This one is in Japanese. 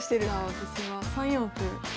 私は３四歩で。